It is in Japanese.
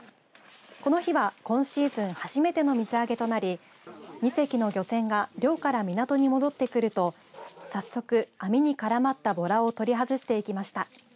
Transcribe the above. この日は今シーズン初めての水揚げとなり２隻の漁船が漁から港に戻ってくると早速、網に絡まったぼらを取り外していました。